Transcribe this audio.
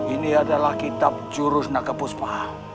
ini adalah kitab jurus nakapuspa